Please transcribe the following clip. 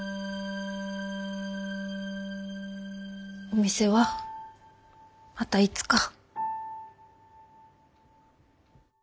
お店はまたいつか。